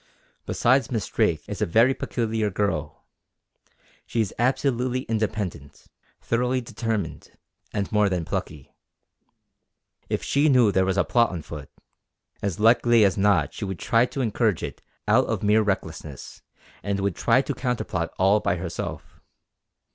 Besides Miss Drake is a very peculiar girl. She is absolutely independent, thoroughly determined, and more than plucky. If she knew there was a plot on foot, as likely as not she would try to encourage it out of mere recklessness; and would try to counterplot all by herself.